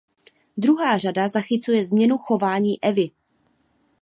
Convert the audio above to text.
Druhá řada zachycuje změnu chování Evy.